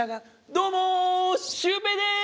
どうもシュウペイです！